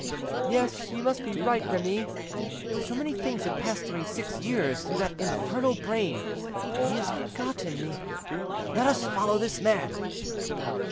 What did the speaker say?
"Yes, you must be right, Remy. So many things have passed during six years through that infernal brain, that he has forgotten me. Let us follow this man."